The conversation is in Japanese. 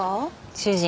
主人。